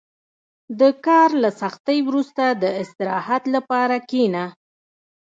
• د کار له سختۍ وروسته، د استراحت لپاره کښېنه.